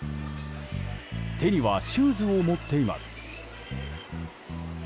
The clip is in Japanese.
手にはシューズを持っています。